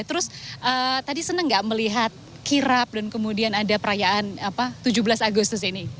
terus tadi senang gak melihat kirap dan kemudian ada perayaan tujuh belas agustus ini